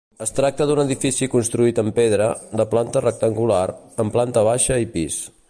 Es tracta d'un edifici construït en pedra, de planta rectangular, amb planta baixa i pis.